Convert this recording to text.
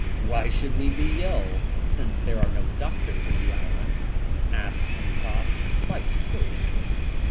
"Why should we be ill, since there are no doctors in the island?" asked Pencroft quite seriously.